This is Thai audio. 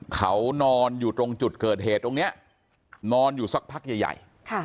เขานอนอยู่ตรงจุดเกิดเหตุตรงนี้นอนอยู่สักพักใหญ่